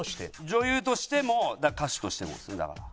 女優としても歌手としてもですねだから。